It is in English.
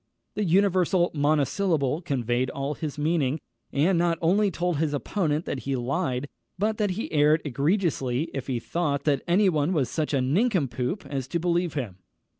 The universal monosyllable conveyed all his meaning, and not only told his opponent that he lied, but that he erred egregiously if he thought that any one was such a nincompoop as to believe him.